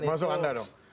masuk anda dong